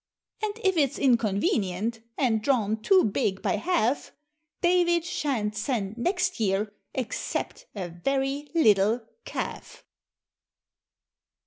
And if it's inconvenient and drawn too big by half David shan't send next year except a very little calf!"